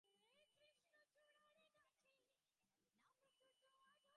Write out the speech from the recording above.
সকল প্রকার আবেষ্টন হইতে যাহা মুক্ত নয়, তাহা কখনও অমর হইতে পারে না।